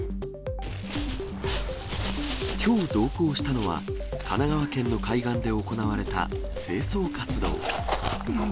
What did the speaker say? きょう、同行したのは、神奈川県の海岸で行われた清掃活動。